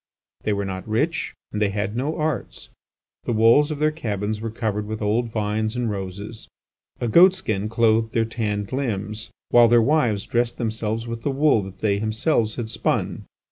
They were not rich, and they had no arts. The walls of their cabins were covered with old vines and roses. A goat skin clothed their tanned limbs, while their wives dressed themselves with the wool that they themselves had spun.